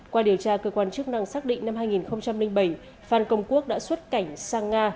qua điều tra cơ quan chức năng xác định năm hai nghìn bảy phan công quốc đã xuất cảnh sang nga